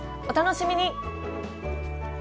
お楽しみに！